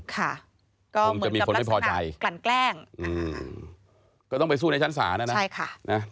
ก็เหมือนกับลักษณะกลั่นแกล้งก็ต้องไปสู้ในชั้นศานะนะใช่ค่ะ